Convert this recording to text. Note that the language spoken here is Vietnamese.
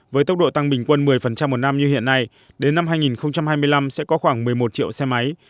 với tốc độ tăng bình quân một mươi một năm như hiện nay đến năm hai nghìn hai mươi năm sẽ có khoảng một mươi một triệu xe máy